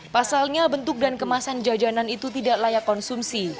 pasalnya bentuk dan kemasan jajanan itu tidak layak konsumsi